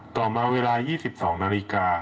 ต่อมาเวลา๒๒นาฬิกา